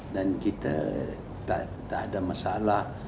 dan kita tidak ada masalah